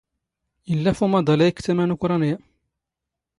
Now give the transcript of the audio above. ⵉⵍⵍⴰ ⴼ ⵓⵎⴰⴹⴰⵍ ⴰⴷ ⵉⴽⴽ ⵜⴰⵎⴰ ⵏ ⵓⴽⵕⴰⵏⵢⴰ.